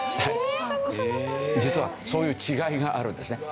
実はそういう違いがあるんですね。